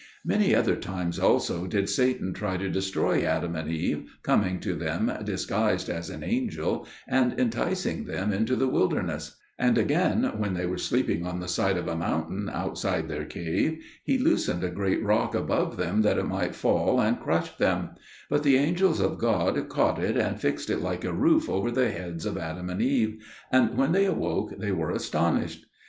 Many other times also did Satan try to destroy Adam and Eve, coming to them disguised as an angel and enticing them into the wilderness; and again, when they were sleeping on the side of a mountain outside their cave, he loosened a great rock above them that it might fall and crush them; but the angels of God caught it and fixed it like a roof over the heads of Adam and Eve, and when they awoke they were astonished.